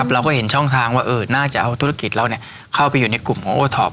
เราก็เห็นช่องทางว่าน่าจะเอาธุรกิจเราเข้าไปอยู่ในกลุ่มของโอท็อป